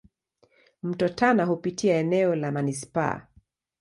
Mto Tana hupitia eneo la manispaa.